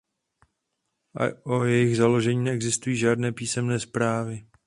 O jejich založení neexistují žádné písemné zprávy.